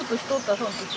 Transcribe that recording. その時。